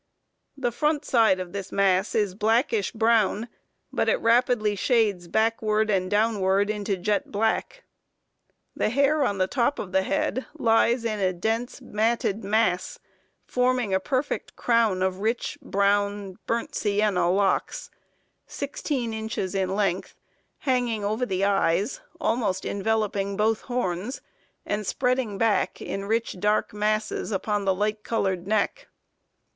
The front side of this mass is blackish brown, but it rapidly shades backward and downward into jet black. The hair on the top of the head lies in a dense, matted mass, forming a perfect crown of rich brown (burnt sienna) locks, 16 inches in length, hanging over the eyes, almost enveloping both horns, and spreading back in rich, dark masses upon the light colored neck.